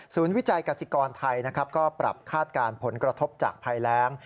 ศูนย์วิจัยกาศิกรไทยก็ปรับคาดการผลกระทบจากภัยแรง